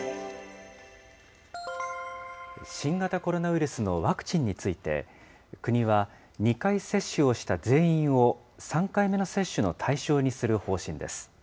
新型コロナウイルスのワクチンについて、国は２回接種をした全員を３回目の接種の対象にする方針です。